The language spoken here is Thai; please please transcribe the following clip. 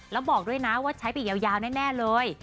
แล้วบอกด้วยนะว่าใช้ไปยาวแน่เลย